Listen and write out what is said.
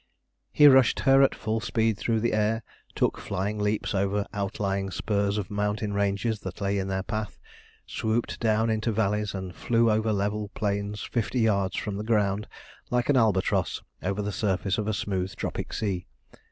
He rushed her at full speed through the air, took flying leaps over outlying spurs of mountain ranges that lay in their path, swooped down into valleys, and flew over level plains fifty yards from the ground, like an albatross over the surface of a smooth tropic sea.